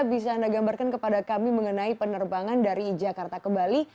bisa anda gambarkan kepada kami mengenai penerbangan dari jakarta ke bali